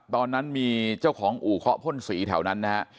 อุ้มขึ้นมาจากแม่น้ำนาฬนะฮะ